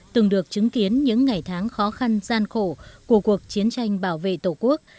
từng được chứng kiến những ngày tháng khó khăn gian khổ của cuộc chiến tranh bảo vệ tổ quốc